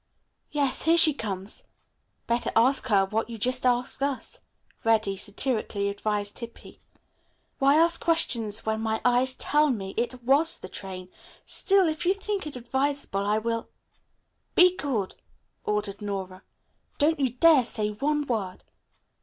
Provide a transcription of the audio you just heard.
"Yes, here she comes. Better ask her what you just asked us," Reddy satirically advised Hippy. "Why ask questions when my eyes tell me it was the train? Still, if you think it advisable I will " "Be good," ordered Nora. "Don't you dare say one word."